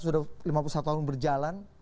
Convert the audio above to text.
sudah lima puluh satu tahun berjalan